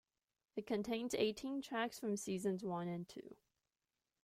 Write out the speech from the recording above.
It contains eighteen tracks from seasons one and two.